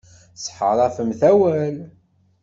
Tettḥaṛafemt awal.